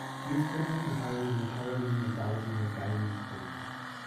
He is currently compiling an entirely new anthology of Guyanese poetry.